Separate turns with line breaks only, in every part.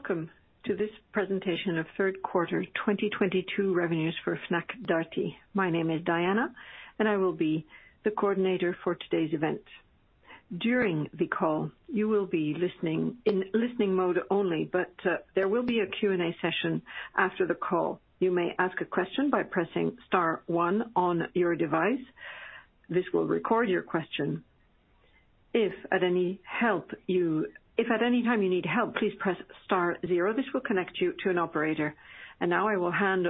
Welcome to this presentation of Q3 2022 revenues for Fnac Darty. My name is Diana, and I will be the coordinator for today's event. During the call, you will be listening in listening mode only, but there will be a Q&A session after the call. You may ask a question by pressing star one on your device. This will record your question. If at any time you need help, please press star zero. This will connect you to an operator. Now I will hand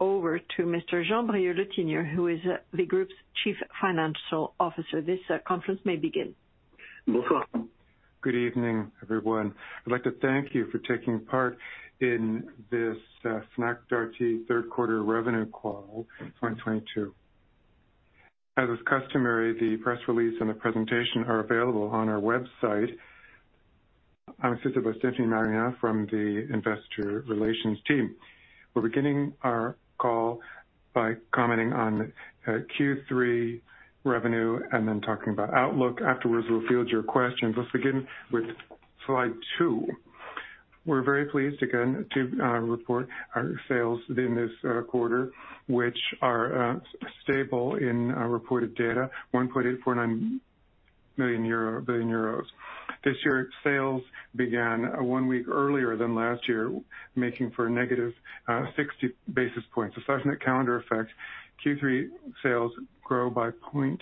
over to Mr. Jean-Brieuc Le Tinier who is the Group's Chief Financial Officer. This conference may begin.
Good evening, everyone. I'd like to thank you for taking part in this, Fnac Darty Q3 Revenue Call 2022. As is customary, the press release and the presentation are available on our website. I'm assisted by Stéphanie Laval from the Investor Relations team. We're beginning our call by commenting on, Q3 revenue and then talking about outlook. Afterwards, we'll field your questions. Let's begin with Slide 2. We're very pleased again to, report our sales in this, quarter, which are, stable in our reported data, 1.849 billion euro. This year, sales began one week earlier than last year, making for a negative, 60 basis points. Aside from the calendar effect, Q3 sales grow by 0.03%.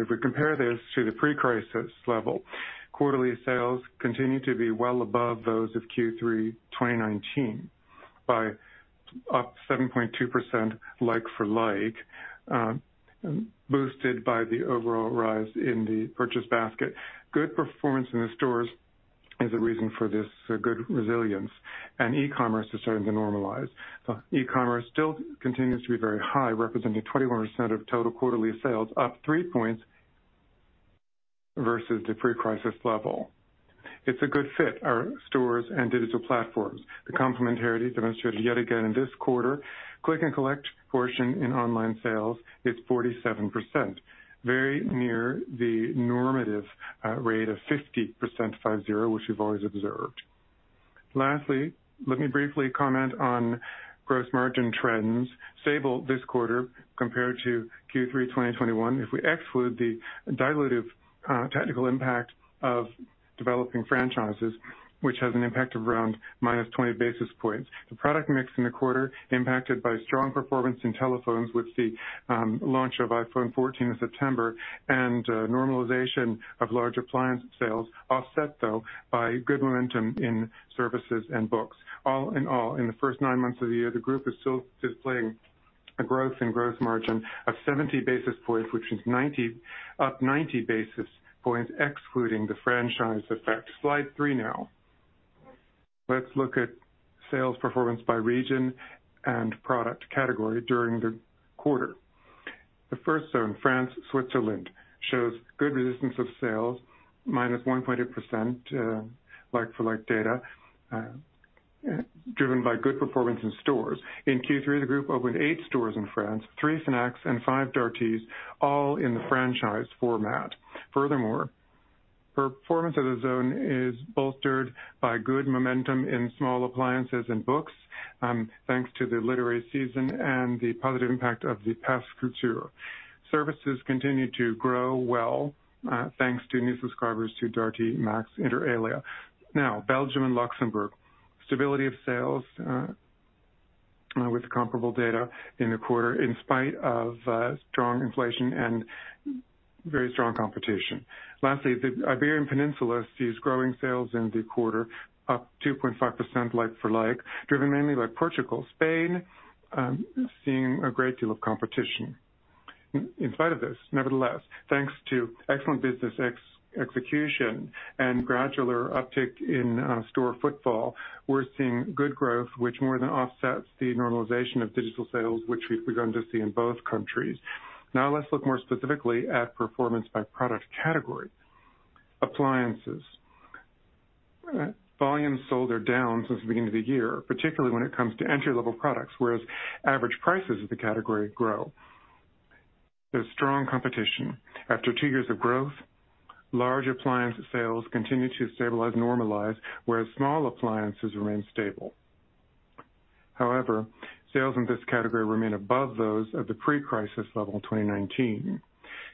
If we compare this to the pre-crisis level, quarterly sales continue to be well above those of Q3 2019 by up 7.2% like for like, boosted by the overall rise in the purchase basket. Good performance in the stores is a reason for this, good resilience, and e-commerce is starting to normalize. E-commerce still continues to be very high, representing 21% of total quarterly sales, up 3 points versus the pre-crisis level. It's a good fit, our stores and digital platforms. The complementarity demonstrated yet again in this quarter. Click and Collect portion in online sales is 47%, very near the normal rate of 50%, 50, which we've always observed. Lastly, let me briefly comment on gross margin trends, stable this quarter compared to Q3 2021. If we exclude the dilutive technical impact of developing franchises, which has an impact of around -20 basis points. The product mix in the quarter impacted by strong performance in telephones with the launch of iPhone 14 in September and normalization of large appliance sales offset, though, by good momentum in services and books. All in all, in the first nine months of the year, the group is still displaying a growth in gross margin of 70 basis points, which is up 90 basis points, excluding the franchise effect. Slide three now. Let's look at sales performance by region and product category during the quarter. The first zone, France, Switzerland, shows good resistance of sales, -1.2%, like for like data, driven by good performance in stores. In Q3, the group opened eight stores in France: three Fnac and five Darty, all in the franchise format. Furthermore, performance of the zone is bolstered by good momentum in small appliances and books, thanks to the literary season and the positive impact of the Pass Culture. Services continue to grow well, thanks to new subscribers to Darty Max, inter alia. Now, Belgium and Luxembourg, stability of sales, with comparable data in the quarter in spite of strong inflation and very strong competition. Lastly, the Iberian Peninsula sees growing sales in the quarter, up 2.5% like for like, driven mainly by Portugal. Spain, seeing a great deal of competition. In spite of this, nevertheless, thanks to excellent business execution and gradual uptick in store footfall, we're seeing good growth, which more than offsets the normalization of digital sales, which we've begun to see in both countries. Now let's look more specifically at performance by product category. Appliances. Volumes sold are down since the beginning of the year, particularly when it comes to entry-level products, whereas average prices of the category grow. There's strong competition. After two years of growth, large appliance sales continue to stabilize, normalize, whereas small appliances remain stable. However, sales in this category remain above those of the pre-crisis level in 2019.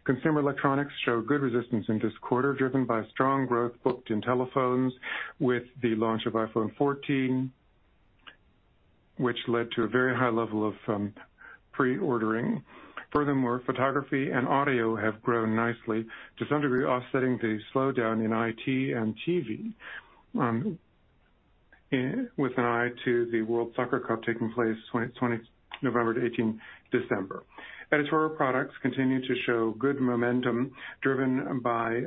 Consumer electronics show good resistance in this quarter, driven by strong growth booked in telephones with the launch of iPhone 14, which led to a very high level of pre-ordering. Furthermore, photography and audio have grown nicely to some degree offsetting the slowdown in IT and TV, with an eye to the FIFA World Cup taking place November 20 to December 18. Editorial products continue to show good momentum driven by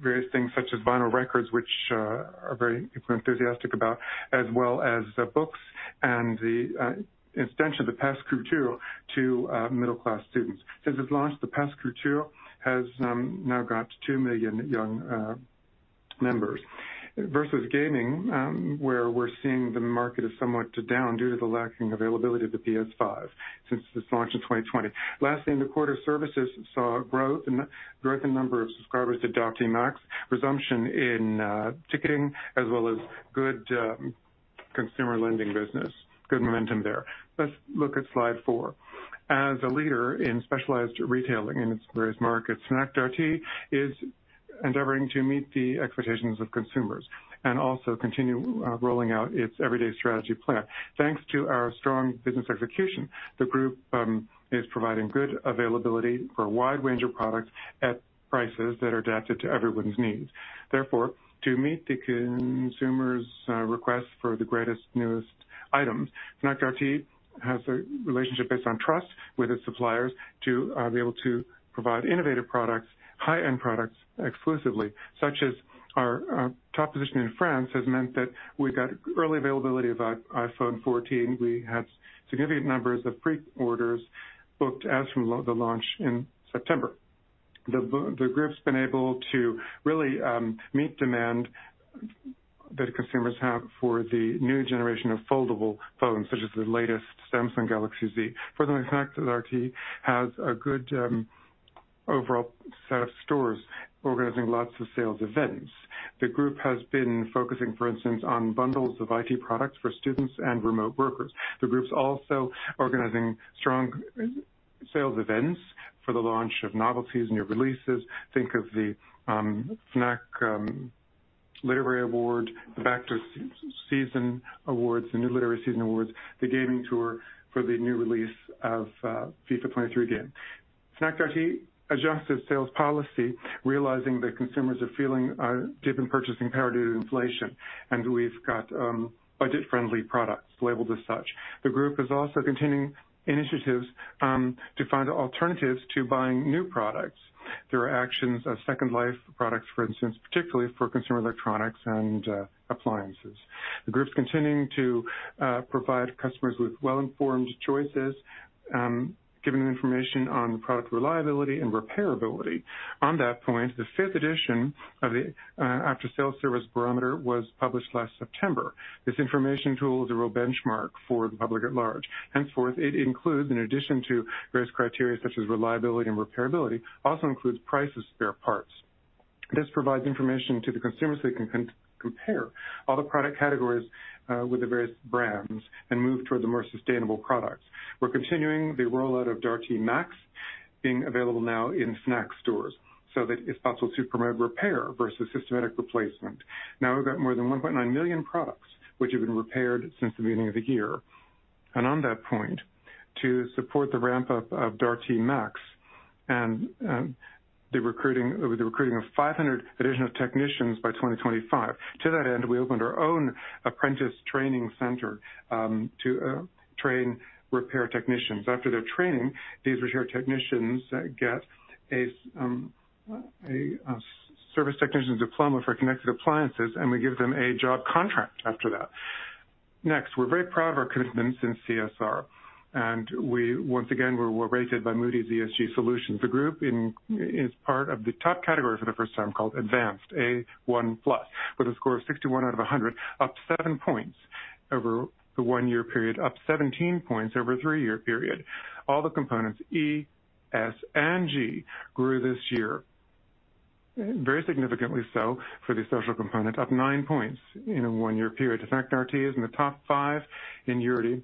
various things such as vinyl records, which are very enthusiastic about, as well as books and the extension of the Pass Culture to middle-class students. Since its launch, the Pass Culture has now reached 2 million young members. Versus gaming, where we're seeing the market is somewhat down due to the lackof availability of the PS5 since its launch in 2020. Lastly, in the quarter, services saw growth in number of subscribers to Darty Max, a resumption in ticketing, as well as good consumer lending business. Good momentu m there. Let's look at Slide 4. As a leader in specialized retailing in its various markets, Fnac Darty is endeavoring to meet the expectations of consumers and also continue to roll out its Everyday strategy plan. Thanks to our strong business execution, the group is providing good availability for a wide range of products at prices that are adapted to everyone's needs. Therefore, to meet the consumers' request for the greatest, newest items, Fnac Darty has a trust-based relationship with its suppliers to be able to provide innovative products, high-end products exclusively, such as our top position in France has meant that we got early availability of iPhone 14. We had significant numbers of preorders booked as from the launch in September. The group's been able to really meet demand that consumers have for the new generation of foldable smartphones, such as the latest Samsung Galaxy Z. Furthermore, Fnac Darty has a good, overall set of stores organizing lots of sales events. The group has been focusing, for instance, on bundles of IT products for students and remote workers. The group's also organizing strong sales events for the launch of novelties, new releases. Think of the, Fnac Literary Award, the back-to-school season awards, the new literary season awards, the gaming tour for the new release of FIFA 23 game. Fnac Darty adjusted sales policy, realizing that consumers are feeling a dip in purchasing power due to inflation, and we've got, budget-friendly products labeled as such. The group is also continuing initiatives, to find alternatives to buying new products. There are actions of second life products, for instance, particularly for consumer electronics and, appliances. The group is continuing to provide customers with well-informed choices, giving them information on product reliability and repairability. On that point, the fifth edition of the after-sales service barometer was published last September. This information tool is a real benchmark for the public at large. Henceforth, it includes, in addition to various criteria such as reliability and repairability, also includes price of spare parts. This provides information to the consumers so they can compare all the product categories with the various brands and move toward the more sustainable products. We're continuing the rollout of Darty Max being available now in Fnac stores, so that it's possible to promote repair versus systematic replacement. Now we've got more than 1.9 million products which have been repaired since the beginning of the year. On that point, to support the ramp-up of Darty Max and the recruiting of 500 additional technicians by 2025, to that end, we opened our own apprentice training center to train repair technicians. After their training, these repair technicians get a service technician diploma for connected appliances, and we give them a job contract after that. Next, we're very proud of our commitments in CSR, and once again, we're rated by Moody's ESG Solutions. The group is part of the top category for the first time called Advanced A1+, with a score of 61 out of 100, up 7 points over the one-year period, up 17 points over a three-year period. All the components, E, S, and G, grew this year, very significantly so for the social component, up 9 points in a one-year period. In fact, Darty is in the top five in Europe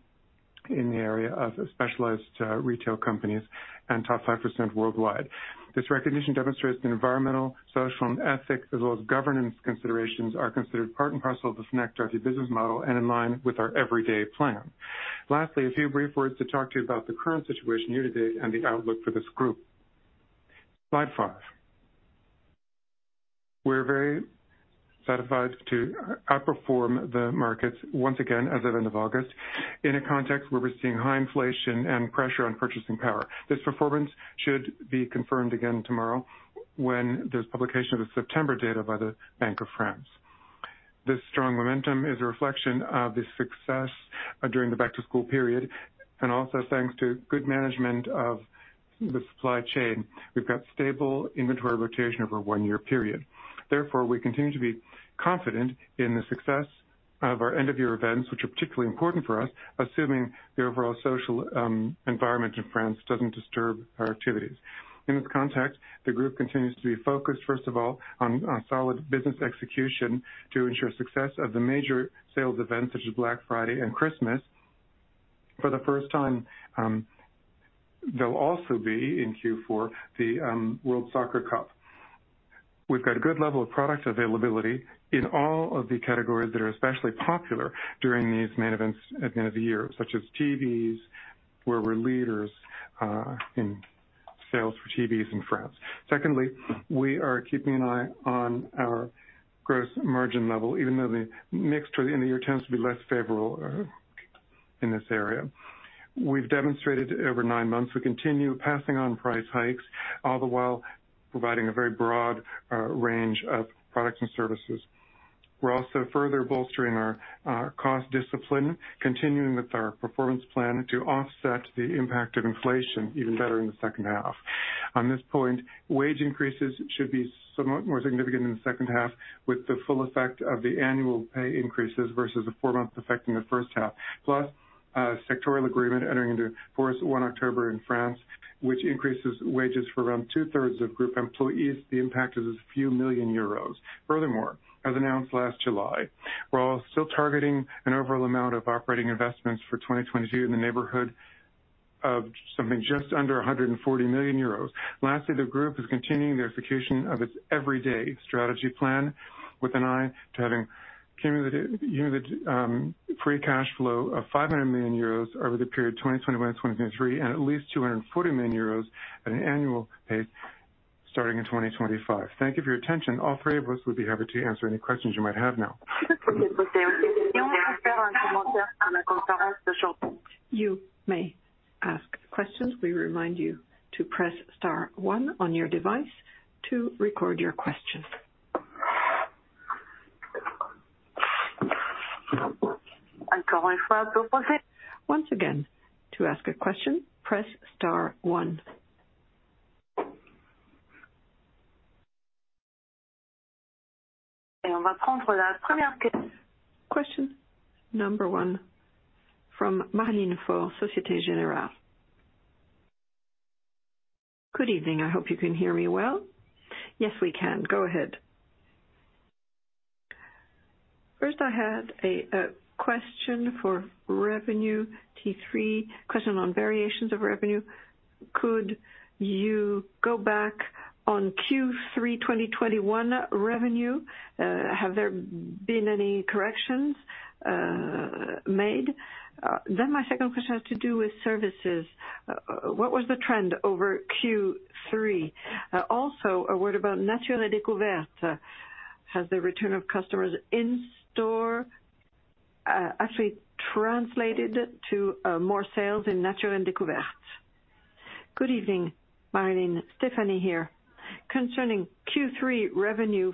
in the area of specialized retail companies and top 5% worldwide. This recognition demonstrates that environmental, social, and ethics, as well as governance considerations, are considered part and parcel of the Fnac Darty business model and in line with our Everyday plan. Lastly, a few brief words to talk to you about the current situation year-to-date and the outlook for this group. Slide 5. We're very satisfied to outperform the markets once again as of end of August in a context where we're seeing high inflation and pressure on purchasing power. This performance should be confirmed again tomorrow when there's publication of the September data by the Banque de France. This strong momentum is a reflection of the success during the back-to-school period, and also thanks to good management of the supply chain. We've got stable inventory rotation over a one-year period. Therefore, we continue to be confident in the success of our end-of-year events, which are particularly important for us, assuming the overall social environment in France doesn't disturb our activities. In this context, the group continues to be focused, first of all, on solid business execution to ensure success of the major sales events such as Black Friday and Christmas. For the first time, there'll also be in Q4 the FIFA World Cup. We've got a good level of product availability in all of the categories that are especially popular during these main events at the end of the year, such as TVs, where we're leaders in sales for TVs in France. Secondly, we are keeping an eye on our gross margin level, even though the mix in the year tends to be less favorable in this area. We've demonstrated over nine months, we continue passing on price hikes, all the while providing a very broad range of products and services. We're also further bolstering our cost discipline, continuing with our performance plan to offset the impact of inflation even better in the H2. On this point, wage increases should be somewhat more significant in the H2, with the full effect of the annual pay increases versus the four months affecting the H1. Plus, sectoral agreement entering into force October 1 in France, which increases wages for around two-thirds of group employees. The impact is few million euros. Furthermore, as announced last July, we're all still targeting an overall amount of operating investments for 2022 in the neighborhood of something just under 140 million euros. Lastly, the group is continuing the execution of its Everyday strategy plan with an eye to having cumulative free cash flow of 500 million euros over the period 2021 to 2023, and at least 240 million euros at an annual pace starting in 2025. Thank you for your attention. All three of us would be happy to answer any questions you might have now.
You may ask questions. We remind you to press star one on your device to record your question. Once again, to ask a question, press star one. Question number one from Maryline Faure, Société Générale.
Good evening. I hope you can hear me well. Yes, we can. Go ahead. First, I had a question for revenue Q3, question on variations of revenue. Could you go back on Q3 2021 revenue? Have there been any corrections made? Then my second question has to do with services. What was the trend over Q3? Also, a word about Nature & Découvertes. Has the return of customers in store actually translated to more sales in Nature & Découvertes?
Good evening, Maryline. Stéphanie here. Concerning Q3 2021 revenue,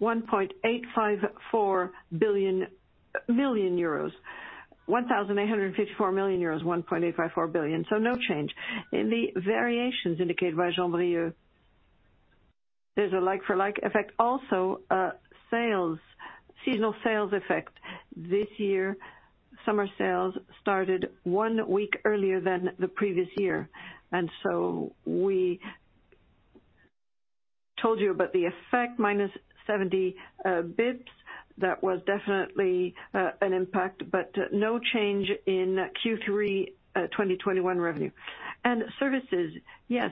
1.854 billion. No change. In the variations indicated by Jean-Brieuc Le Tinier, there's a like-for-like effect. Also, sales, seasonal sales effect. This year, summer sales started one week earlier than the previous year. We told you about the effect, minus 70 basis points. That was definitely an impact, but no change in Q3 2021 revenue. Services, yes.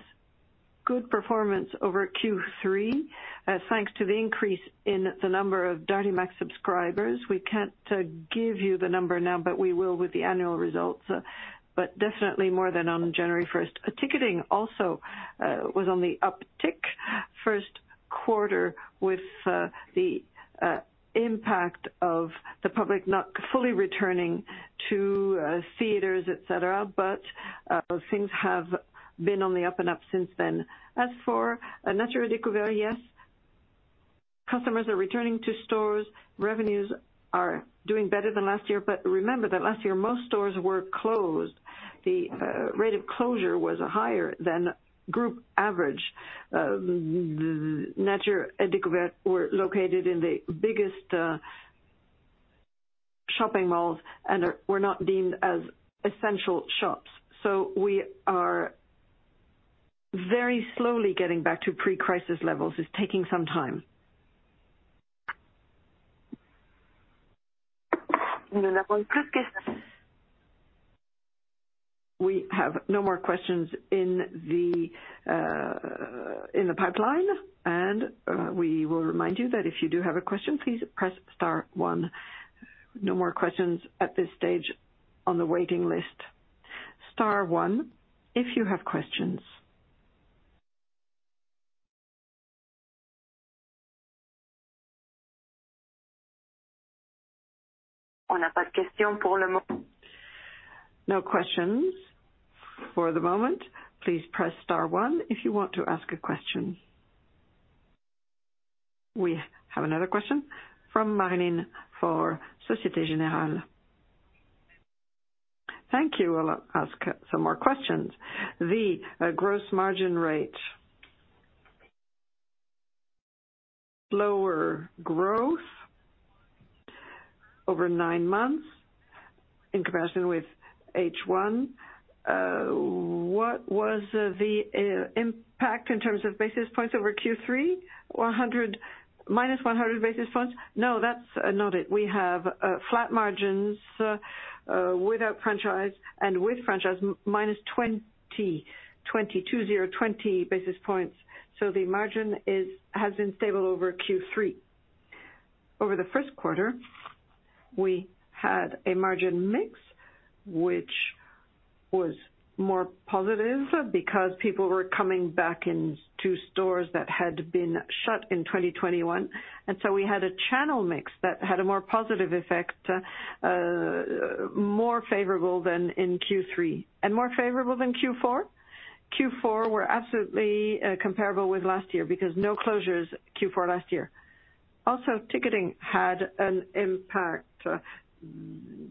Good performance over Q3 thanks to the increase in the number of Darty Max subscribers. We can't give you the number now, but we will with the annual results. Definitely more than on January first. Ticketing also was on the uptick first quarter with the impact of the public not fully returning to theaters, et cetera. Things have been on the up and up since then. As for Nature & Découvertes, yes, customers are returning to stores. Revenues are doing better than last year, but remember that last year, most stores were closed. The rate of closure was higher than group average. Nature & Découvertes were located in the biggest shopping malls and were not deemed as essential shops. We are very slowly getting back to pre-crisis levels. It's taking some time.
We have no more questions in the pipeline, and we will remind you that if you do have a question, please press star one. No more questions at this stage on the waiting list. Star one if you have questions. No questions for the moment. Please press star one if you want to ask a question. We have another question from Maryline Faure of Société Générale.
Thank you. I'll ask some more questions. The gross margin rate. Slower growth over nine months in comparison with H1. What was the impact in terms of basis points over Q3? 100, minus 100 basis points? No, that's not it. We have flat margins without franchise and with franchise, minus 20 basis points. The margin has been stable over Q3. Over the Q1, we had a margin mix which was more positive because people were coming back into stores that had been shut in 2021. We had a channel mix that had a more positive effect, more favorable than in Q3. More favorable than Q4? Q4 were absolutely comparable with last year because no closures Q4 last year. Also ticketing had an impact.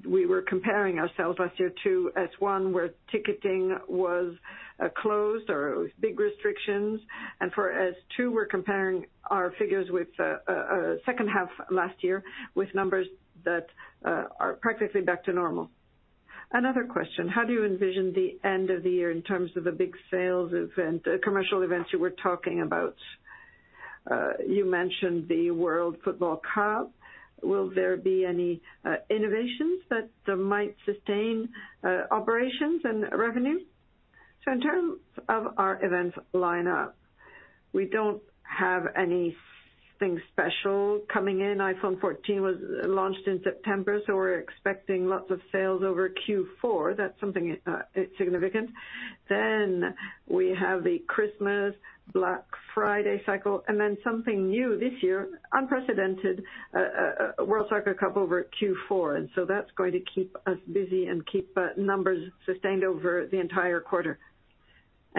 We were comparing ourselves last year to H1, where ticketing was closed or big restrictions. For H2, we're comparing our figures with H2 last year with numbers that are practically back to normal. Another question. How do you envision the end of the year in terms of the big sales event, commercial events you were talking about? You mentioned the FIFA World Cup. Will there be any innovations that might sustain operations and revenue? In terms of our event lineup, we don't have anything special coming in. iPhone 14 was launched in September, so we're expecting lots of sales over Q4. That's something significant. Then we have the Christmas Black Friday cycle and then something new this year, unprecedented, FIFA World Cup over Q4. That's going to keep us busy and keep numbers sustained over the entire quarter.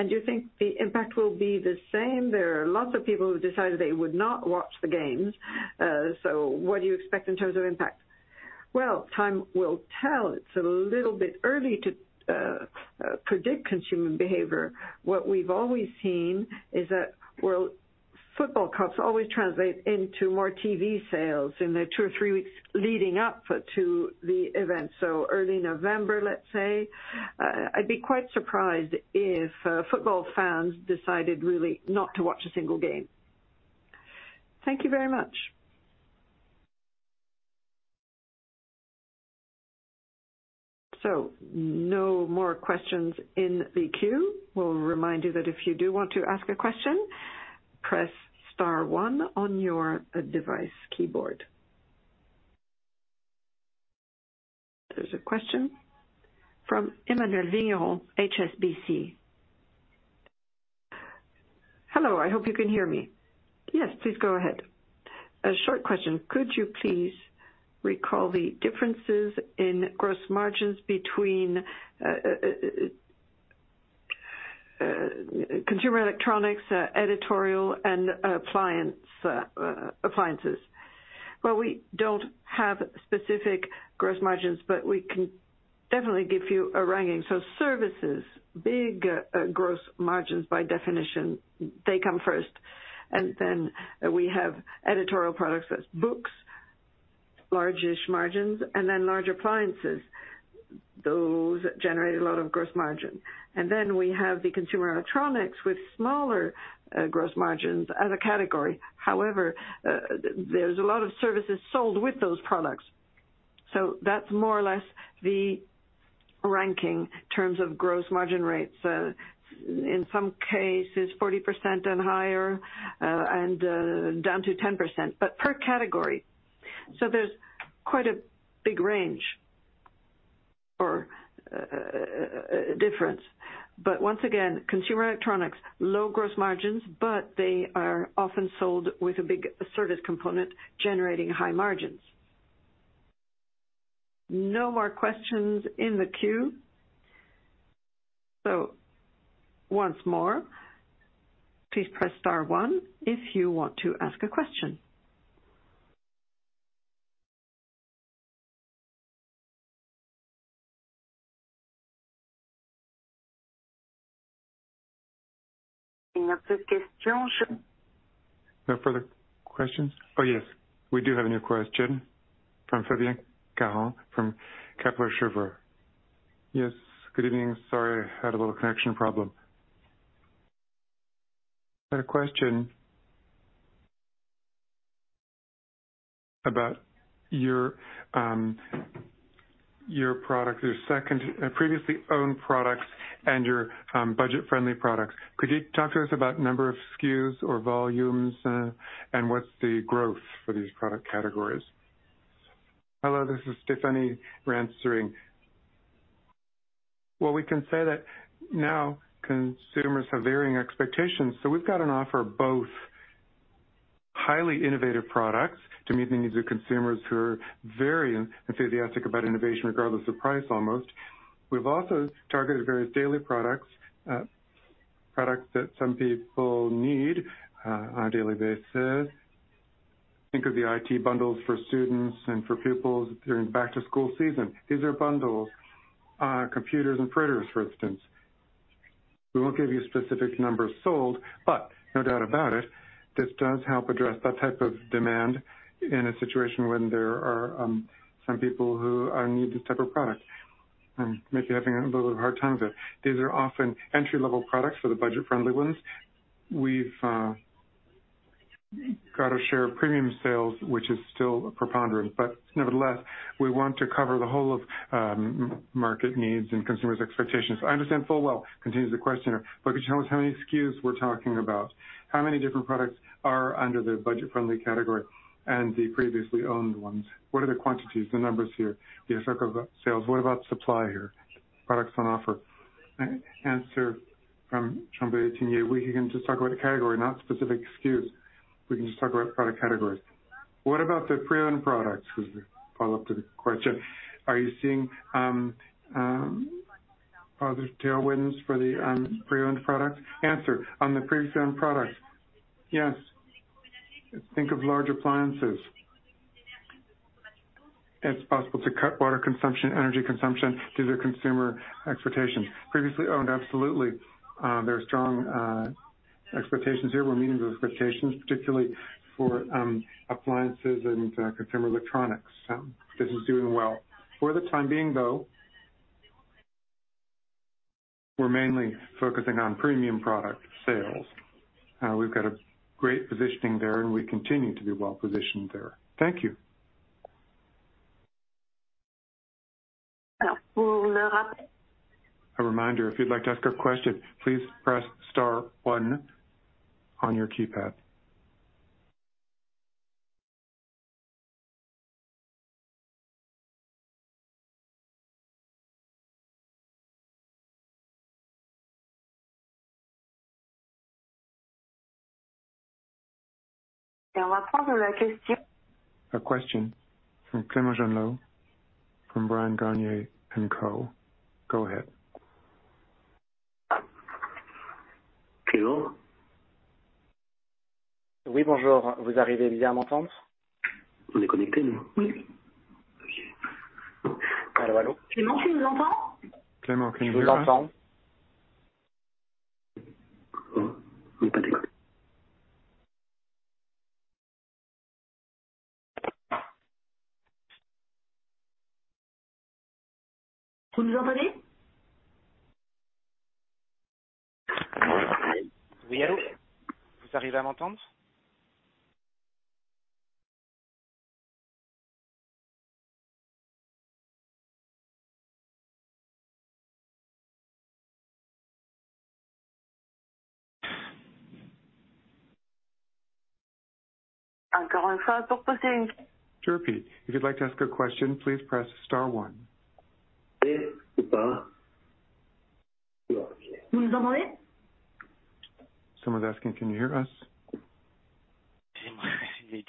You think the impact will be the same? There are lots of people who decided they would not watch the games. What do you expect in terms of impact? Well, time will tell. It's a little bit early to predict consumer behavior. What we've always seen is that World Football Cups always translate into more TV sales in the two or three weeks leading up to the event. Early November, let's say. I'd be quite surprised if football fans decided really not to watch a single game.
Thank you very much. No more questions in the queue. We'll remind you that if you do want to ask a question, press star one on your device keyboard. There's a question from Emmanuel Vigneron, HSBC.
Hello, I hope you can hear me.
Yes, please go ahead.
A short question. Could you please recall the differences in gross margins between consumer electronics, editorial and appliances?
Well, we don't have specific gross margins, but we can definitely give you a ranking. Services, big gross margins by definition, they come first, and then we have editorial products. That's books, large-ish margins, and then large appliances. Those generate a lot of gross margin. We have the consumer electronics with smaller gross margins as a category. However, there's a lot of services sold with those products. That's more or less the ranking in terms of gross margin rates. In some cases 40% and higher, and down to 10%. Per category. There's quite a big range or difference. Once again, consumer electronics, low gross margins, but they are often sold with a big service component generating high margins.
No more questions in the queue. Once more, please press star one if you want to ask a question.
No further questions. Oh, yes, we do have a new question from Fabienne Caron from Kepler Cheuvreux.
Yes, good evening. Sorry, I had a little connection problem. I had a question about your product, previously owned products and your budget-friendly products. Could you talk to us about number of SKUs or volumes, and what's the growth for these product categories?
Hello, this is Stéphanie answering. Well, we can say that now consumers have varying expectations, so we've got an offer, both highly innovative products to meet the needs of consumers who are very enthusiastic about innovation, regardless of price, almost. We've also targeted various daily products that some people need on a daily basis. Think of the IT bundles for students and for pupils during back to school season. These are bundles, computers and printers, for instance. We won't give you specific numbers sold, but no doubt about it, this does help address that type of demand in a situation when there are, some people who need this type of product and may be having a little hard time with it. These are often entry-level products for the budget-friendly ones. We've got to share premium sales, which is still preponderant, but nevertheless, we want to cover the whole of market needs and consumers' expectations.I understand full well, continues the questioner. Could you tell us how many SKUs we're talking about? How many different products are under the budget-friendly category and the previously owned ones? What are the quantities, the numbers here? You talk about sales. What about supply here? Products on offer.
Answer from Jean-Brieuc Le Tinier. We can just talk about the category, not specific SKUs. We can just talk about product categories. What about the pre-owned products? Follow up to the question. Are there tailwinds for the pre-owned products? On the pre-owned products. Yes. Think of large appliances. It's possible to cut water consumption, energy consumption due to consumer expectations. Previously owned, absolutely. There are strong expectations here. We're meeting those expectations, particularly for appliances and consumer electronics. This is doing well. For the time being, though, we're mainly focusing on premium product sales. We've got a great positioning there, and we continue to be well-positioned there. Thank you.
A reminder, if you'd like to ask a question, please press star one on your keypad. A question from Clément Genelot from Bryan, Garnier & Co. Go ahead. To repeat, if you'd like to ask a question, please press star one. Someone's asking, can you hear us?
We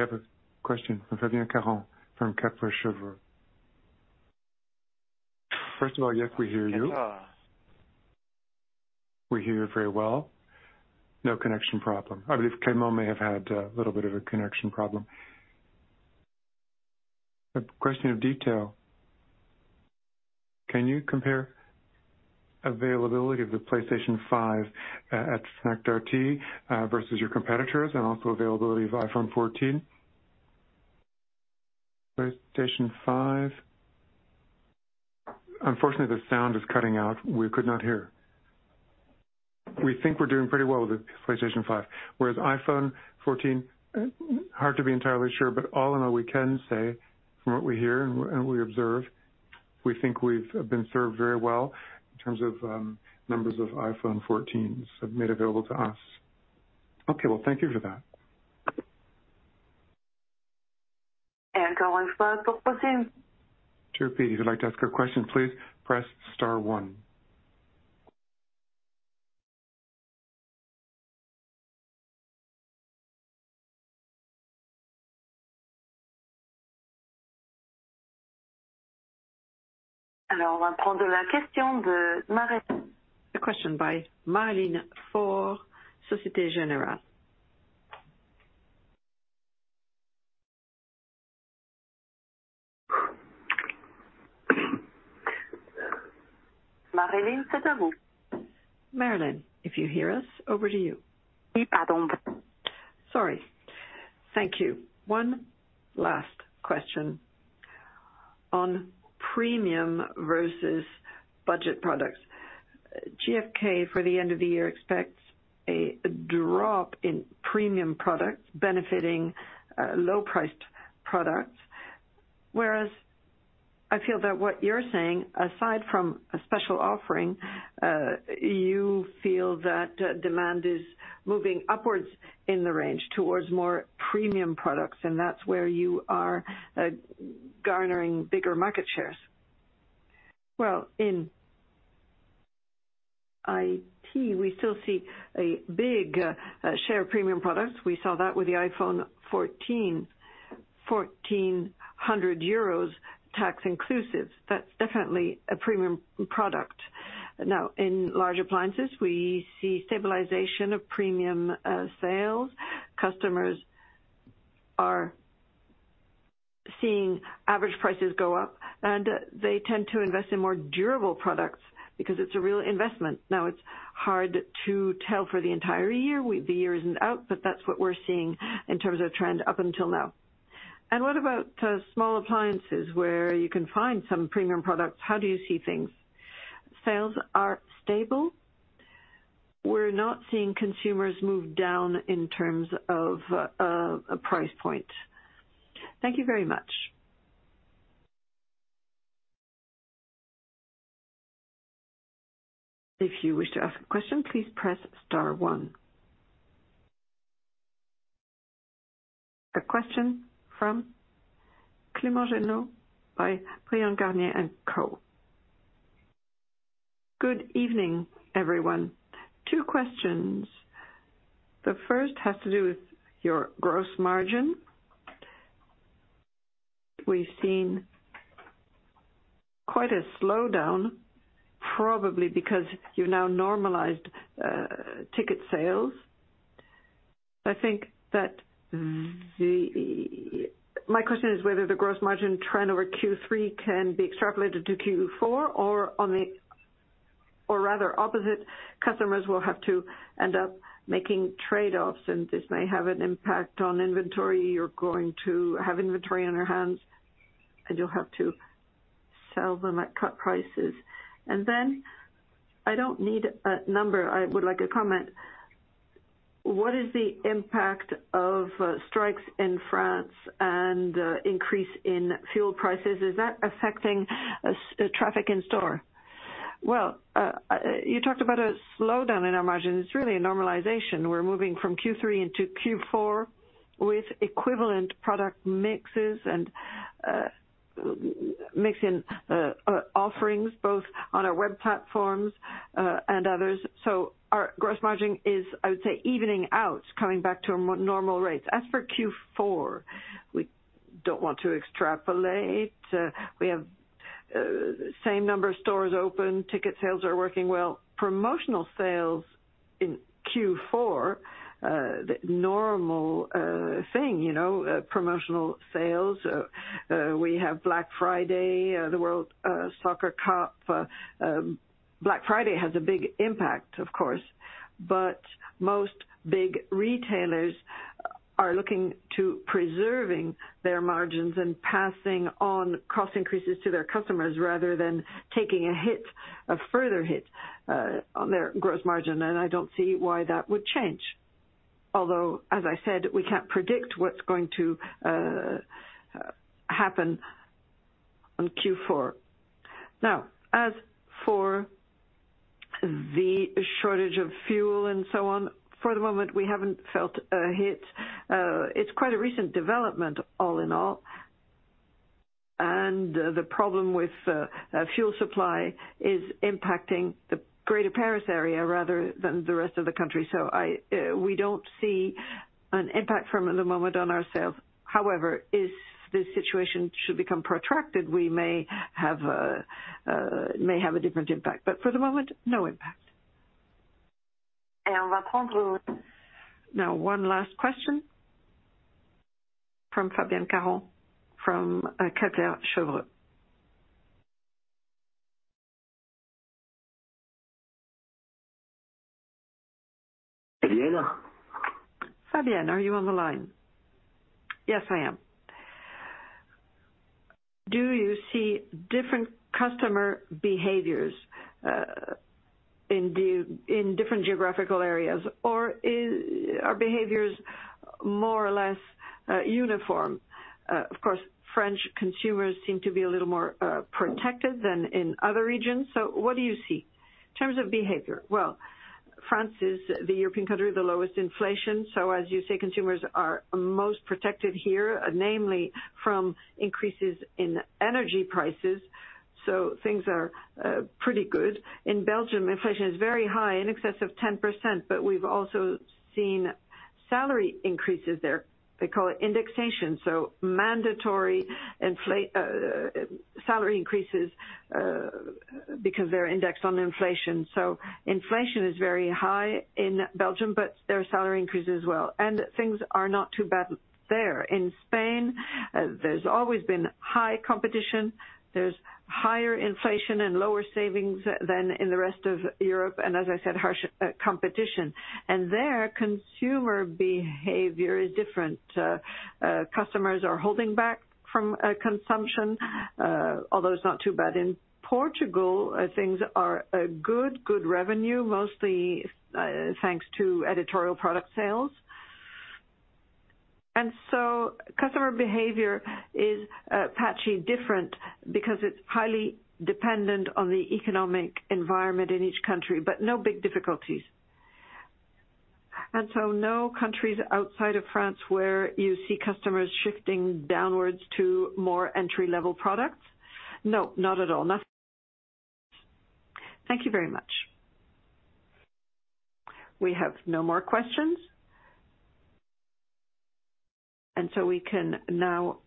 have a question from Fabienne Caron from Kepler Cheuvreux. First of all, yes, we hear you. We hear you very well. No connection problem. I believe Clément may have had a little bit of a connection problem. A question of detail. Can you compare availability of the PlayStation 5 at Fnac Darty versus your competitors and also availability of iPhone 14? PlayStation 5. Unfortunately, the sound is cutting out. We could not hear. We think we're doing pretty well with the PlayStation 5. Whereas iPhone 14, hard to be entirely sure, but all in all, we can say from what we hear and we observe, we think we've been served very well in terms of numbers of iPhone 14s made available to us. Okay. Well, thank you for that. To repeat, if you'd like to ask a question, please press star one.
A question by Maryline Faure, Société Générale. Maryline, if you hear us, over to you.
Sorry. Thank you. One last question on premium versus budget products. GfK, for the end of the year, expects a drop in premium products benefiting low-priced products. Whereas I feel that what you're saying, aside from a special offering, you feel that demand is moving upwards in the range towards more premium products, and that's where you are garnering bigger market shares. Well, in IT, we still see a big share premium products. We saw that with the iPhone 14, priced at EUR 1,400 including tax. That's definitely a premium product. Now, in large appliances, we see stabilization of premium sales. Customers are seeing average prices go up, and they tend to invest in more durable products because it's a real investment.
Now, it's hard to tell for the entire year. The year isn't out, but that's what we're seeing in terms of trend up until now. What about small appliances where you can find some premium products? How do you see things? Sales are stable. We're not seeing consumers move down in terms of a price point. Thank you very much.
If you wish to ask a question, please press star one. A question from Clément Genelot by Bryan, Garnier & Co.Good evening, everyone. Two questions. The first has to do with your gross margin. We've seen quite a slowdown, probably because you now normalized ticket sales. I think that the
My question is whether the gross margin trend over Q3 can be extrapolated to Q4 or rather the opposite customers will have to end up making trade-offs and this may have an impact on inventory. You're going to have inventory on your hands, and you'll have to sell them at cut prices. Then I don't need a number. I would like a comment. What is the impact of strikes in France and increase in fuel prices? Is that affecting store traffic? Well, you talked about a slowdown in our margins. It's really a normalization. We're moving from Q3 into Q4 with equivalent product mixes and mix of offerings both on our web platforms and others. Our gross margin is, I would say, evening out, coming back to a more normal rate. As for Q4, we don't want to extrapolate. We have same number of stores open. Ticket sales are working well. Promotional sales in Q4, the normal thing, you know, promotional sales. We have Black Friday, the FIFA World Cup. Black Friday has a big impact, of course, but most big retailers are looking to preserving their margins and passing on cost increases to their customers rather than taking a hit, a further hit on their gross margin. I don't see why that would change. Although, as I said, we can't predict what's going to happen on Q4. Now, as for the shortage of fuel and so on, for the moment, we haven't felt a hit. It's quite a recent development all in all. The problem with fuel supply is impacting the greater Paris area rather than the rest of the country. We don't see an impact from it at the moment on our sales. However, if the situation should become protracted, we may have a different impact, but for the moment, no impact.
Now, one last question from Fabienne Caron from Kepler Cheuvreux. Fabienne? Fabienne, are you on the line?
Yes, I am. Do you see different customer behaviors in different geographical areas? Or are behaviors more or less uniform? Of course, French consumers seem to be a little more protected than in other regions. What do you see in terms of behavior? Well, France is the European country with the lowest inflation. As you say, consumers are most protected here, namely from increases in energy prices. Things are pretty good. In Belgium, inflation is very high, in excess of 10%, but we've also seen salary increases there. They call it indexation, so mandatory salary increases, because they're indexed on inflation. Inflation is very high in Belgium, but there are salary increases as well, and things are not too bad there. In Spain, there's always been high competition. There's higher inflation and lower savings than in the rest of Europe, and as I said, harsh competition. There, consumer behavior is different. Customers are holding back from consumption, although it's not too bad. In Portugal, things are good revenue, mostly thanks to editorial product sales. Customer behavior is patchy different because it's highly dependent on the economic environment in each country, but no big difficulties. No countries outside of France where you see customers shifting downwards to more entry-level products? No, not at all.
Thank you very much. We have no more questions. We can now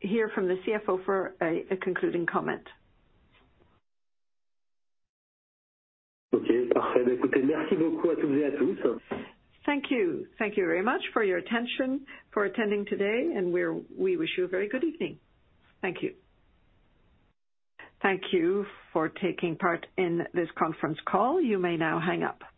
hear from the CFO for a concluding comment.
Okay. Thank you.
Thank you very much for your attention, for attending today, and we wish you a very good evening. Thank you. Thank you for taking part in this conference call. You may now hang up.